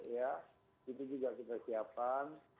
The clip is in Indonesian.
itu juga kita siapkan